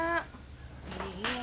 nggak usah repot repot deh nyak